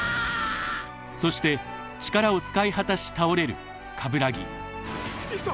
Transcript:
そして力を使い果たし倒れる鏑木一差！！